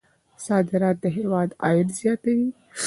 صادرات د هېواد عاید زیاتوي.